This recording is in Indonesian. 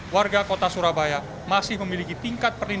warga kota surabaya masih memiliki tingkat pendidikan